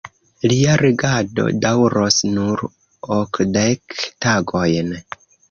Lia regado daŭros nur okdek tagojn.